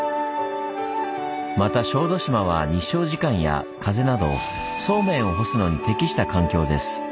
また小豆島は日照時間や風などそうめんを干すのに適した環境です。